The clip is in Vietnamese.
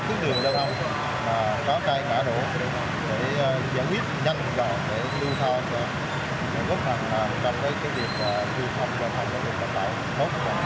hùng vương trần phú hàng loạt cây cối ngã đổ biển quảng cáo nằm la liệt ven đường